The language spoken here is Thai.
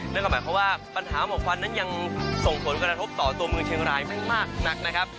นั่นก็หมายความว่าปัญหาหมอกควันนั้นยังส่งผลกระทบต่อตัวเมืองเชียงรายไม่มากนักนะครับ